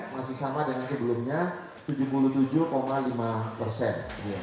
masih sama dengan sebelumnya tujuh puluh tujuh lima persen